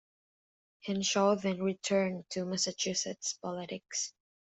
Henshaw then returned to Massachusetts politics.